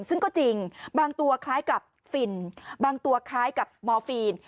ซึ่งก็จริงบางตัวคล้ายกับฟินบางตัวคล้ายกับมอร์ฟีน